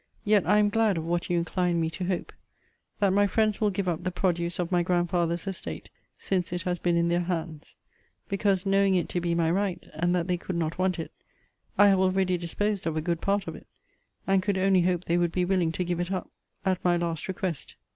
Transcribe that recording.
Yet I am glad of what you inclined me to hope, that my friends will give up the produce of my grandfather's estate since it has been in their hands: because, knowing it to be my right, and that they could not want it, I had already disposed of a good part of it; and could only hope they would be willing to give it up at my last request.